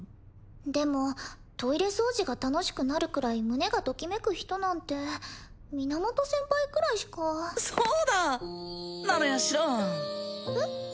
でもトイレ掃除が楽しくなるくらい胸がときめく人なんて源先輩くらいしかそうだ！ならヤシロえっ？